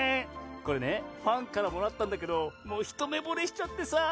これねファンからもらったんだけどもうひとめぼれしちゃってさぁ！